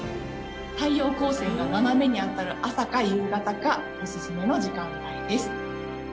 太陽光線が斜めに当たる朝か夕方がおすすめの時間帯です。